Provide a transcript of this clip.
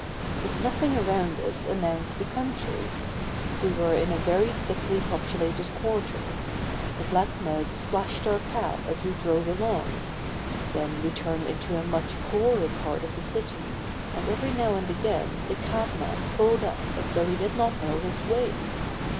But nothing around us announced the country. We were in a very thickly populated quarter; the black mud splashed our cab as we drove along; then we turned into a much poorer part of the city and every now and again the cabman pulled up as though he did not know his way.